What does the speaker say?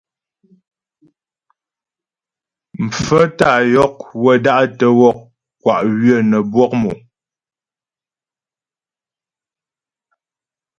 Mfaə́ tá yɔk wə́ da'tə́ wɔk kwá ywə́ nə́ bwɔk mò.